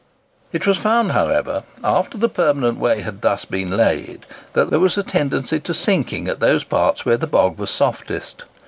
It was found, however, after the permanent way had been thus laid, that there was a tendency to sinking at those parts where the bog was softest.